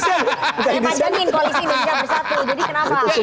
saya panjangin koalisi indonesia bersatu